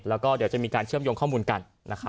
แล้วก็เดี๋ยวจะมีการเชื่อมโยงข้อมูลกัน